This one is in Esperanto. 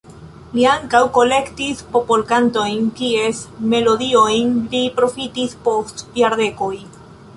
Li ankaŭ kolektis popolkantojn, kies melodiojn li profitis post jardekoj.